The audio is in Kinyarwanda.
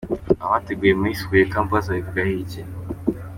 Abateguye Miss Huye Campus babivugaho iki?.